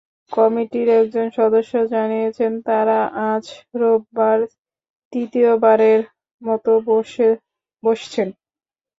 কমিটির একজন সদস্য জানিয়েছেন, তাঁরা আজ রোববার তৃতীয়বারের মতো বসছেন।